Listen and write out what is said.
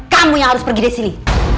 kamu yang harus pergi dari sini